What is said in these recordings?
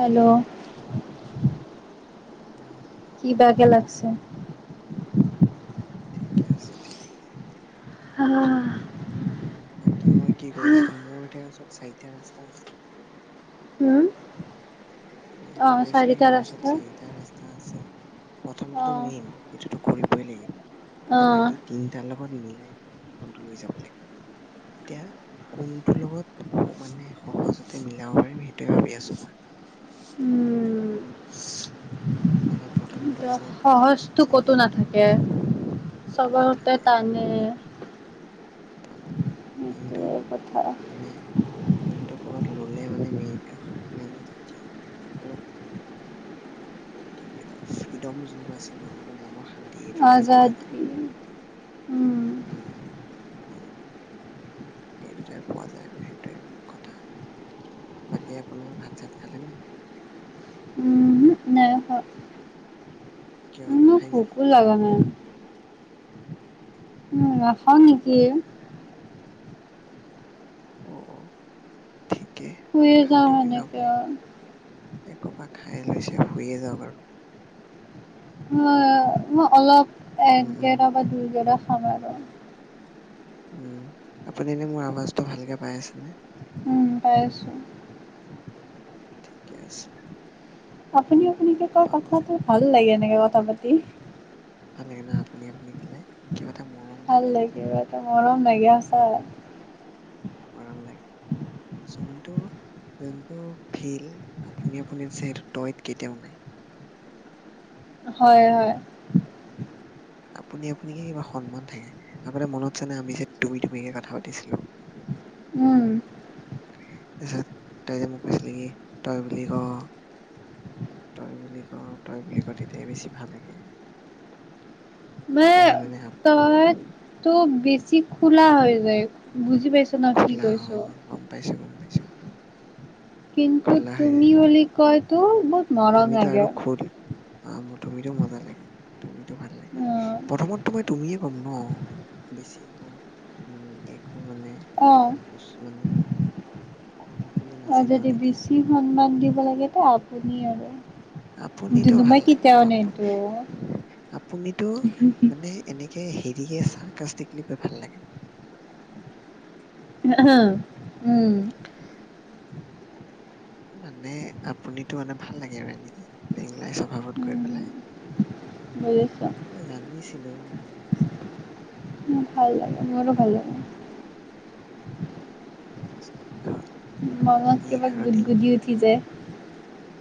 Hello উম কি বা গে কৰিলে লাগছে। ঠিকে আছে, ঠিকে আছে। হা হা উম বাকী মই কি কৰিছিলো, মোৰ এতিয়া মোৰ ওচৰত চাৰিটা ৰাস্তা আছিল। হুম মই এইটো কৈছিলো কি মোৰ ৰাস্তা ওচৰত চাৰিটা ৰা ৰাস্তা আছে অ প্ৰথমটোতো মেইন সেইটোতো কৰিবই লাগিব অ এ বাকী তিনটাৰ লগত মিলাই কামটো লৈ যাব লাগিব তেতিয়া। কোনটো লগত মানে সহজতে মিলাব পাৰিম সেইটোয়ে ভাবি আছো মই। উম। মানে প প্ৰথমটোৰ লগত সহজটো ক'তো ছেকেণ্ডটো নাথাকে ক'তো চবতে নাথাকে। টানে সেইকাৰণে কিন্তু সেইটোৱে কথা মানে কিন্তু কৰ'বাত ললে মানে মে মেইন সাক্ষি অলপ কি বুলি কয় ফ্ৰীডম যোনটো আছে ন আৰু মনৰ শান্তি এই দুটাই পোৱা যায়। আজাদী উম উম আৰু। এই দুটাই পোৱা যায় আৰু সেইটোৱে কথা বাকী আপোনাৰ ভাত চাত খালে নাই ওহোঁ নাই খোৱা। কিয় না ভুকো লগা নাই। উম নাখাও নেকি। অ' অ' ঠিকে শুইয়ে যাওঁ নেখালেও কিন্তু সেনেকে আপুনি একোপা খাই লৈছে শুইয়ে যাওক আৰু। অ মই অলপ উম, উম, একগেৰা বা দুইগেৰা খাম আৰু। উম আপুনি এনে মোৰ আৱাজটো ভালকে পাই আছেনে উম পাই আছো। ঠিকে আছে। আপুনি আপুনিকে কয় পাব কথাটো লাগে ভাল লাগে এনেকে কথা পাতি। ভাল লাগে না আপুনি আপুনি ক'লে। কিবা এটা মৰম ভাল লাগে কিবা এটা মৰম লাগি যাই সচা। মৰম লাগে যোনটো যোনটো ফ্লিড আপুনি আপুনিত আছে সেই তইত কেতিয়াও নাই। হয় হয়। আপুনি আপুনিকে কিবা সন্মান থাকে আগত মনত আছে নাই আমি যে তুমি তুমিকে কথা পাতিছিলো। উম তাৰ পিছত তই যে মোক কৈছিলি কি, তই বুলি ক। তই বুলি ক, তই বুলি ক তেতিয়া বেছি ভাল লাগে। তেতিয়াহে মানে [inaudible] ত‌ই বেছি খোলা হৈ যায় বুজি পাইছ ন কি খোলা কৈছো। অঁ গম পাইছো, গম পাইছোঁ। কিন্তু তুমি বুলি কোৱাটো বা আমিটো আৰু খো দিয়া। আঁহ মোৰ তুমিটো মজা লাগে, তুমিটো ভাল লাগে। অ প্ৰথমতটো মই তুমিয়ে ক'ম ন? বেছিকৈ, উম একো মানে, অ উচ মানে বহুত খুৰা অঁ, যদি বেছি সন্মান দিব লাগে ত আপুনি আৰু। আপুনিটো যোনটো ভাল মই লাগে, কেতিয়াও আপ নিদো। আপুনিটো মানে এনেকে হেৰিহে, চাৰ্কাষ্টিক্লি পোৰা ভাল লাগে। উম। মানে, আপুনিটো মানে ভাল লাগে আৰু এনেকে, পেংলাই স্বভাৱত কৈ পেলাই। বুজিছা। মই জানিছিলো, মই জানিছিলো। মই ত ভালেই পাওঁ। এইটো দশ তাৰিখত। মনত কিবা গুদ গুদি উঠি যায়।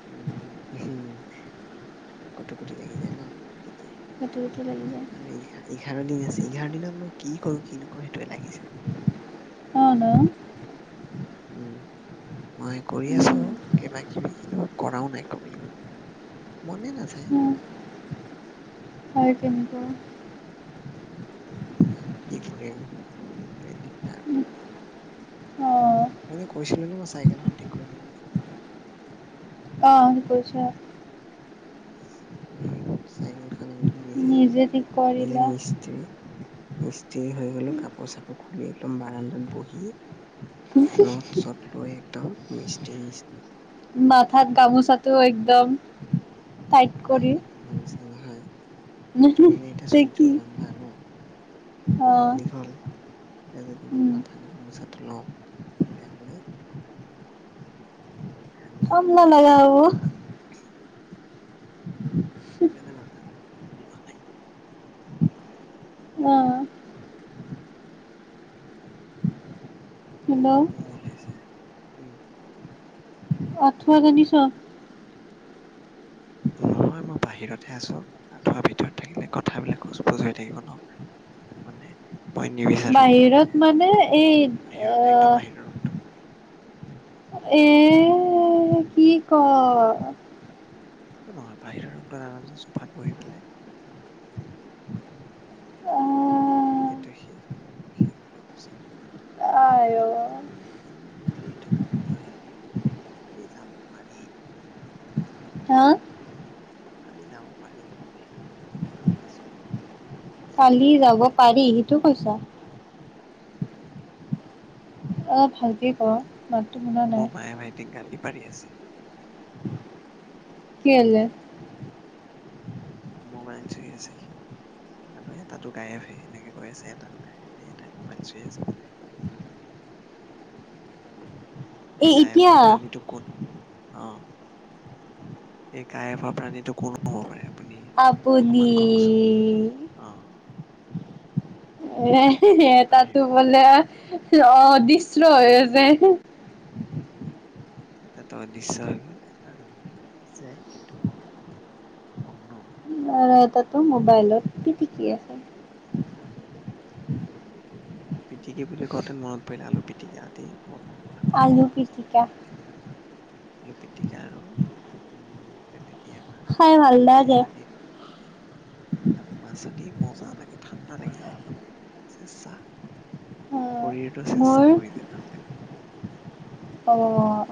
উম, কুটো কোটি লাগি যায় ন, ঠিকে। [inaudible] আৰু এঘ এঘাৰ দিনহে আছে, এঘাৰ দিনত মই কি কৰো, কি নকৰো সেইটোৱে লাগিছে। [inaudible] উম, মই কৰি আছো উম কিবা কিবি খিনি কৰাও নাই ক'বলৈ গ'লে। মনে নাযায় কিবা। হয় কিন্তু। মানে, কি কৰিম সেইটোৱে দিগদাৰ। অ মই এনেই কৈছিলো নে, মই চাইকেল এখন ঠিক কৰিলো বুলি? অঁহ, কৈছা। উম, চাইকেল খন একদম নিজে, ঠিক নিজে কৰিলা মি স্ত্ৰী হৈ গলোঁ, কাপোৰ চাপোৰ খুলি একদম বাৰাণ্ডাত বহি। নত চত লৈ, একদম মিস্ত্ৰীৰ নিচিনা। মাথাত গামোচাটো একদম। টাইট নাই কৰি মাথাত গামোচা নাই, মাথাটো মানে, এতিয়া তে চুলিটো কি লাম্বা ন। অ দীঘল, এতিয়া যদি মই উম মাথাত গামোচাত লওঁ তেতিয়াহলে। ঘামি যাব [inaudible] সেইকাৰণে, মাথাত লোৱা নাই। অঁ। বহুত হেল্ল' মহ ওলাইছে, উম। আঁঠুৱা টানি চ। নহয়, মই বাহিৰতহে আছো, আঁঠুৱাৰ ভিতৰত থাকিলে, কথাবিলাক কুজ বুজ হৈ থাকিব ন। মানে মই নিবিচাৰো, বাহিৰত মানে এই বাহিৰৰ আহ একদম বাহিৰৰ ৰুমটো। এ, কি কয়। একো নহয় বাহিৰৰ ৰোমটোত আৰমছে চোফাত বহি পেলাই আহ এইটোৱেই শেষ আৰুএইটো শেষ হোৱা পিছত আইঅ এনেই এনেই হেৰি এইটো কি বুলি কয়? কালি যাব পাৰি। হা? কালি যাব পাৰি কিন্তু দেই, মই ভাবি আছো। কালি যাব পাৰি, সেইটো কৈছা? উম। অ ভালকে ক মাতটো শুনা নাই মোৰ বাই ভাইটিক গালি পাৰি আছে। কেলে? মোবাইল চাই আছে সি। আৰু এটাতো গায়েফে এনেকে কৈ আছে। এটাতো গায়েফে এটাই মোবাইল চুই আছে। এই এ গায়েফ এতিয়া হোৱা প্ৰাণীটো কত অ, এই গায়েফ হোৱা প্ৰাণীটো কত? হব পাৰে আপুনি আপুনি অনুমান কৰকচোন, অ। [inaudible] ৰুমৰ এটাতো বাহিৰত বোলে অ দিচ্ছলো [inaudible] যে এটাতো অদৃশ্য হৈ গ'ল। এটা মানুহটো আছে কিন্তু মগ্ন। অহ এটাতো মোবাইলত পিটিকি আছে। তাকে পিটিকি বুলি কওঁঁতে মনত পৰিলে আলু পিটিকা আদি। [inaudible] ভাত খাই আলু মোৰ মজা লাগে পিটিকা ৰাতিপুৱা। আলু পিটিকা আৰু উম পেলে দিয়া ভাত, খাই ভাল ৰাতি লাগে পানীত থই দিয়া আৰু মাছেদি মজা লাগে ঠাণ্ডা লাগি যায় একদম। চেচা, অ শৰীৰটো চেচা মোৰ পৰি যায় খালে। অহ।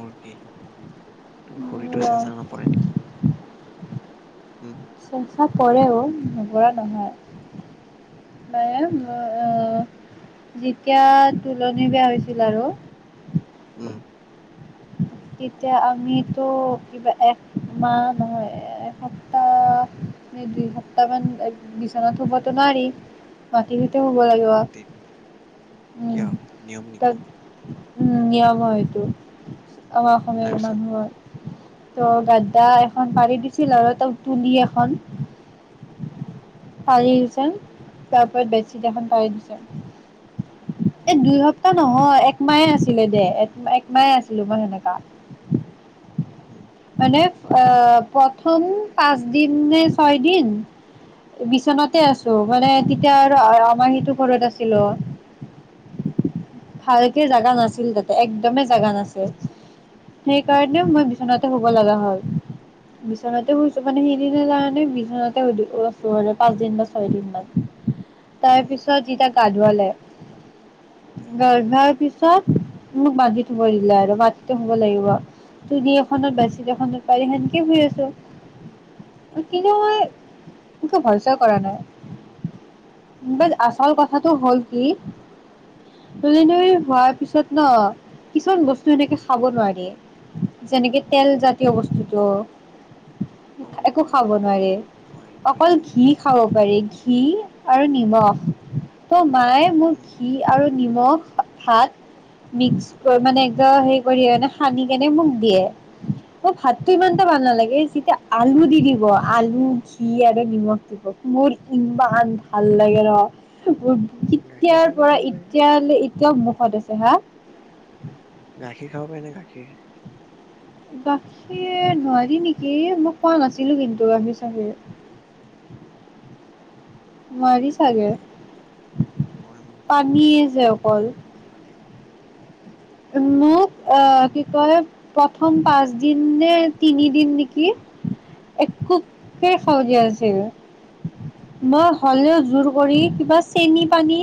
মোৰ কি তোৰ মোৰ শৰীৰটো চেঁচা নপৰে নেকি? উম চেঁচা পৰেও নপৰা নহয়। উম [inaudible] আ যেতিয়া তুলনি বিয়া হৈছিল আৰু উম। তেতিয়া আমিতো কিবা একমাহ নহয় এসপ্তাহ নে দুই সপ্তাহ মান বিচনাত শু'বতো নোৱাৰি। মাটি খিতে শু'ব লাগিব। মাটিত উম কিয় নিয়ম তাত নেকি? নিয়ম হয় এইটো। আমাৰ অসমীয়া তাৰপিছত মানুহৰ। ত গাদ্দা এখন পাৰি দিছিল আৰু তাও তুলি এখন। উম। পাৰি ৰিছেন, তাৰ ওপৰত বেডছিত এখন পাৰি দিছে। এ দুই সপ্তাহ তাৰ নহয় একমাহে আছিলে দে। এক-একমাহে আছিলোঁ মই সেনেকা। উম। মানে আ প্ৰথম পাঁচ দিন নে ছয় দিন। বিচনাতে আছোঁ মানে তেতিয়া আৰু আ-আমাৰ সেইটো ঘৰত আছিলোঁ। ভালকে উম, জাগা নাছিল তাতে একদমে জাগা নাছিল। সেইকাৰণে মই উম, বিচনাতে শু ব লগা হ'ল। বিচনাটে শুইছোঁ মানে সেইদিনা জানানে বি চনাতে শুই দো [inaudible] পাঁচ দিন বা ছয় দিন মান। তাৰ পিছত যিতা গা ধুৱালে উম, ছদিনৰ পিছত মোক মাটিত শুব দিলে আৰু মাটিতে শুব লাগিব। তুলী এ খনত বাছি দেখনত পাৰি সেনকে শুই আছোঁ। কিন্তু মই একো ভয় চয় কৰা নাই। আচল কথাটো হ'ল কি? পলিনৰি হোৱাৰ পিছত ন' কিছুমান বস্তু সেনেকে খাব নোৱাৰি। যেনেকে তেল জাতীয় বস্তুটো। একো খাব অ', নোৱাৰে, নোৱাৰি নোৱাৰি অকল উম, ঘি ঠিক, খাব ঠিক, ঠিক। পাৰে ঘি। আৰু নিমখ ত' মায়ে মোৰ ঘি উম, আৰু নিমখ ভাত মিক্স ক, মানে এক দ হে কৰি সানি কেনে মোক দিয়ে। অ', ভাতটো ইমানটা ভাল নালাগে। এ, যেতিয়া আলু দি দিব আলু, ঘি, আৰু নিমখ দিব। মোৰ ইমান ভাল লাগে ন' মোৰ গাখীৰ কিতিয়াৰ চাখীৰ পৰা খাব ইত পাৰিনে? কাইলে এতিয়াও মুখত আছে হা। গাখীৰ খাব পাৰিনে গাখীৰ? গাখীৰ নোৱাৰি নেকি মই খোৱা নাছিলোঁ কিন্তু গাখীৰ চাখীৰ। [inaudible] অ', নোৱাৰি সুধিব চাগে লাগিব মই মানে পানীয়ে [unintelligible] যে অকল নিয়মবিলাকৰ বিষয়ে উম, মোক আ, কি কয় প্ৰথম পাঁচ দিন নে তিনিদিন নিকি। একোকে খাব দিয়া নাছিলো। মই হলেও জোৰ কৰি কিবা চেনি পানী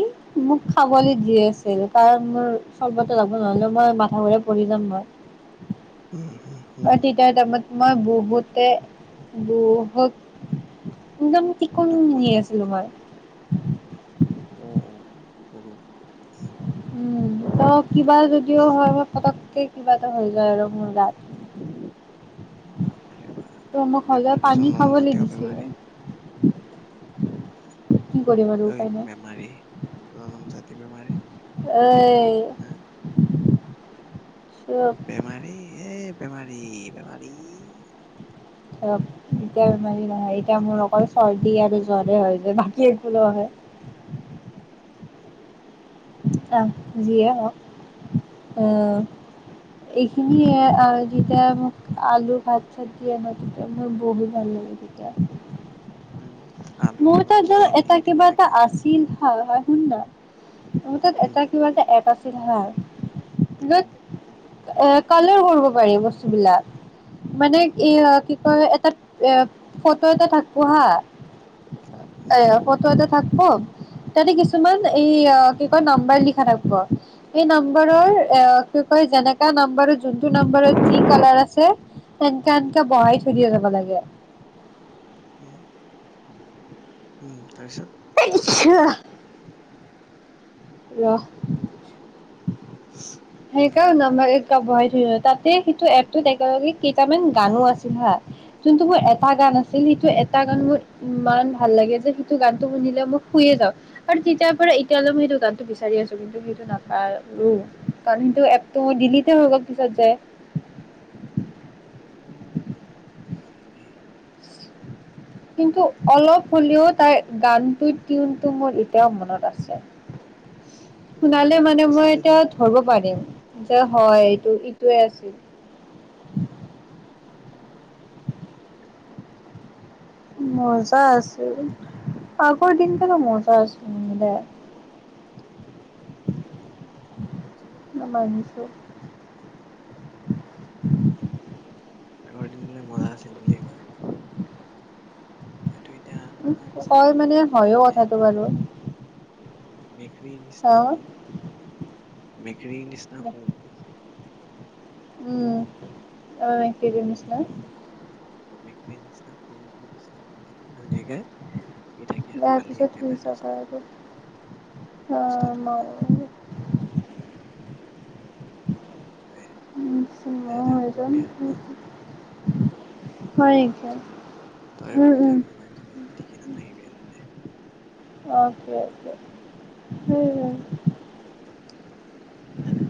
মোক খাবলে দি আছিল। কাৰণ মোৰ চৰ্বত লাগব নহ'লে মই মাথা ঘোৰাই পৰি যাম মই। উম, উম, তেতিয়া টাইমত মই বহুতে বহুতক ইমান অকন দুৰ্বল শুনি আছিলোঁ মই। অ, অ, অ কৰো। উম, ত কিবা যদিও হয় মই পতককে কিবা এটা হৈ যায় আৰু মোৰ গাত। বাপৰে ত বাপ। মোক হ'লেও বেমাৰী পানী জনম খাবলৈ জাতীয় দিছিলে বেমাৰী। কি কৰিম আৰু ঐ উপায় নাই বেমাৰী জনম জাতি বেমাৰী। এই, এ,,,,, [unintelligible] চুপ। বেমাৰী এ বেমাৰী-বেমাৰী। এ এতিয়া বেমাৰি নহয়। এতিয়া মোৰ নতুন অকল চৰ্দি আৰু নতুন জ্বৰে হয় যে। বাকী একো নহয়। নক নাম পাই [unintelligible] আহ, যিয়ে হক উম, এইখিনিয়ে যেতিয়া মোক আলু ভাত চাত দিয়ে মই তেতিয়া মোৰ বহুত ভাল লাগে। উম আলুৰ মোৰ লগত তাত ঘি ধৰা এটা মিলাই দিব কিবা এটা লাগে আছে। তিল হা হয় সুন্দা। মোৰ তাত উম এটা কিবা এটা এপ আছিল হা। উম এ কালাৰ কৰিব পাৰি বস্তুবিলাক। মানে এ কি কয় এটা এ ফটো এটা থাকিব হা। উম অহ, ফতো এটা থাকব। তাতে কিছুমান এই কি কয় নাম্বাৰ লিখা থাক ব। এই নম্বাৰৰ এ কি কয় যেনেকা নাম্বাৰৰ যোনটো নাম্বাৰত যি কালাৰ আছে। এনকা-এনকা বহাই থৈ দি যাব লাগে। উম, উম, তাৰ পিছত। আচ্ছা সহ, সেই উম কাৰণে মই। বঢ়াই থৈ দিলো তাতে সেইটো এপটোত একেলগে কেইটামান গানো আছিল হা। যোনটো মোৰ এটা গান আছিল সেইটো এটা গান মোৰ। ইমান ভাল লাগে যে সেইটো গানটো শুনিলে মই শুইয়ে যাওঁ। আৰু তেতিয়াৰ পৰা এতিয়ালে মই সেইটো গান। বিচাৰি আছোঁ। কিন্তু সেইটো নাপালোঁ কাৰণ কিন্তু এপটো ডিলিটে হৈ গ'ল। পিছত যে অহ, হয় নেকি। কিন্তু অলপ হ'লেও তাই গানটোৰ টিউনটো মোৰ এতিয়াও মনত আছে। টিফিন শুনালে মনত মানে আছে মই যদি এতিয়া ধৰিব পাৰিম। যে হয় এইটো ইটোৱে আছিল। উম, মজা আছিল আগৰ দিন। মোৰ মজা আছিল দে। চবে অ এনেকে মানিছো। আগৰ দিনবিলাক মজা আছিল বুলিয়ে কয়। মইতো এতিয়া আৰামছে কয় মানে শুম হয়ো কথাটো ধুনীয়াকে। বাৰু মেকুৰীৰ অ নিচিনা শুম মেকুৰীৰ নিচিনা শুম। উম, অ মেকুৰী নিছিনা। মেকুৰীৰ নিচিনা সৰুটো নিচিনা। থাকিম ধুনীয়াকে থাকি আৰু কালি তাৰপিছত শুই একেবাৰে যাবা দহটাত। আৰু অ মই উম আ মই এজন দে আৰু ন [unintelligible] হয় এতিয়া তই শুই থাক মোবাইল চোবাইল পিটিকি নাথাকিবি আৰু দে অ উম নাই নাই